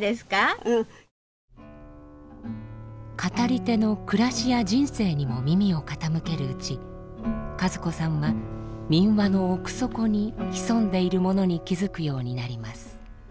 語り手の暮らしや人生にも耳を傾けるうち和子さんは民話の奥底に潜んでいるものに気付くようになります。